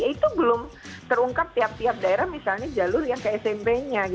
itu belum terungkap tiap tiap daerah misalnya jalur yang ke smp nya